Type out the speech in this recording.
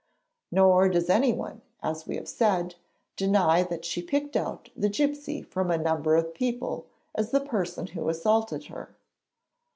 Nor does anyone, as we have said, deny that she picked out the gipsy from a number of people, as the person who assaulted her.